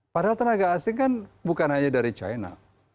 padahal tenaga asing kan bukan hanya dari china